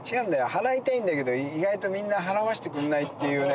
払いたいんだけど意外とみんな払わせてくんないっていうね。